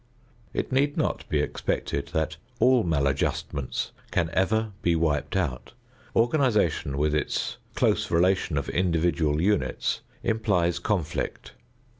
It need not be expected that all maladjustments can ever be wiped out. Organization with its close relation of individual units implies conflict.